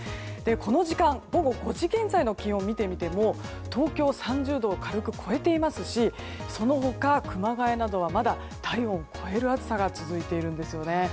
この時間、午後５時現在の気温を見てみても東京、３０度を軽く超えていますしその他、熊谷などはまだ体温を超える暑さが続いているんですよね。